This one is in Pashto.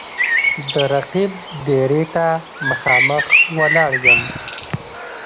د رقیب دېرې ته مـــخامخ ولاړ یـــم